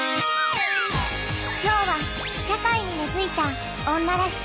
きょうは社会に根づいた「女らしさ」